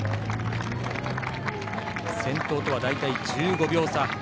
先頭とは大体１５秒差。